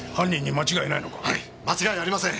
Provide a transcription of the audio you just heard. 間違いありません。